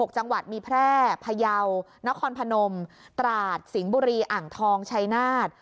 ๖จังหวัดมีแพร่พยาวนครพนมตราดสิงห์บุรีอ่างทองชัยนาธ